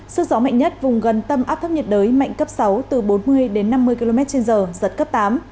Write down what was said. sức gió mạnh nhất vùng gần tâm áp thấp nhiệt đới mạnh cấp sáu từ bốn mươi đến năm mươi km trên giờ giật cấp tám